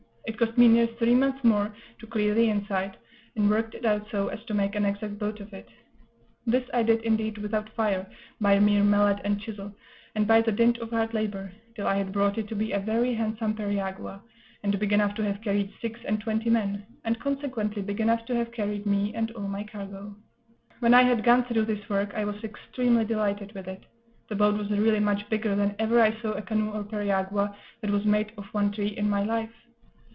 It cost me near three months more to clear the inside, and work it out so as to make an exact boat of it; this I did, indeed, without fire, by mere mallet and chisel, and by the dint of hard labor, till I had brought it to be a very handsome periagua, and big enough to have carried six and twenty men, and consequently big enough to have carried me and all my cargo. When I had gone through this work I was extremely delighted with it. The boat was really much bigger than ever I saw a canoe or periagua, that was made of one tree, in my life.